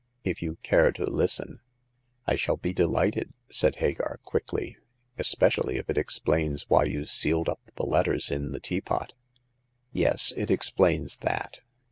If you care to listen "" I shall be delighted," said Hagar, quickly— "esp^ially if it explains why you sealed up the letters in the teapot." i62 Hagar of the Pawn Shop. " Yes ; it explains that.